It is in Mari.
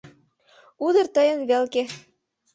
Удыр тыйын велке.